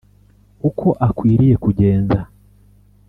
Uko akwiye kugenza,